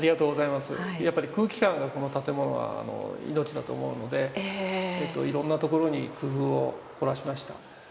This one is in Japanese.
やっぱり空気感が、この建物は命だと思うので、いろんなところに工夫をこらしました。